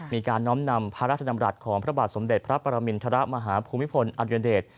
น้อมนำพระราชดำรัฐของพระบาทสมเด็จพระปรมินทรมาฮภูมิพลอดุญเดช